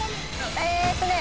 えーっとね。